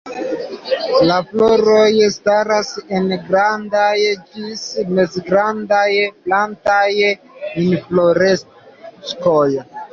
La floroj staras en grandaj ĝis mezgrandaj, plataj infloreskoj.